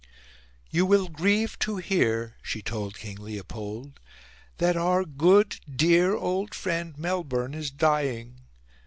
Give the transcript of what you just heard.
"You will grieve to hear," she told King Leopold, "that our good, dear, old friend Melbourne is dying...